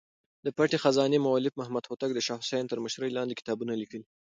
د پټې خزانې مولف محمد هوتک د شاه حسين تر مشرۍ لاندې کتابونه ليکلي.